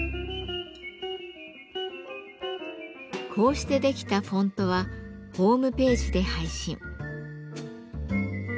こうして出来たフォントはホームページで配信。